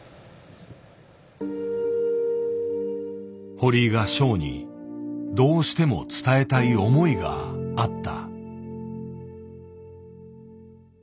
堀井がショウにどうしても伝えたい思いがあった。